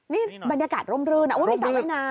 นี่บรรยากาศร่มรื่นมีสระว่ายน้ำ